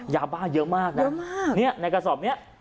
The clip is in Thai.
ยาบ้าเยอะมากนะเยอะมากเนี่ยในกระสอบนี้